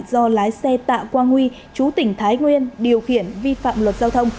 do lái xe tạ quang huy chú tỉnh thái nguyên điều khiển vi phạm luật giao thông